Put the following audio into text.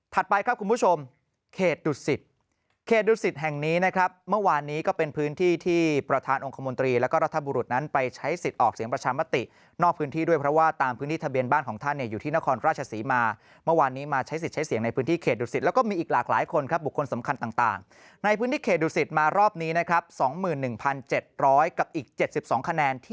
ถัดไปครับคุณผู้ชมเขตดุสิทธิ์เขตดุสิทธิ์แห่งนี้นะครับเมื่อวานนี้ก็เป็นพื้นที่ที่ประธานองค์คมนตรีแล้วก็รัฐบุรุษนั้นไปใช้สิทธิ์ออกเสียงประชามตินอกพื้นที่ด้วยเพราะว่าตามพื้นที่ทะเบียนบ้านของท่านเนี่ยอยู่ที่นครราชสีมาเมื่อวานนี้มาใช้สิทธิ์ใช้เสียงในพื้นที่เขตดุสิทธิ์แล